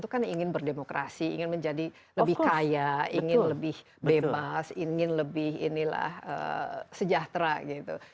kan ingin berdemokrasi ingin menjadi lebih kaya ingin lebih bebas ingin lebih sejahtera gitu